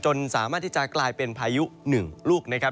สามารถที่จะกลายเป็นพายุหนึ่งลูกนะครับ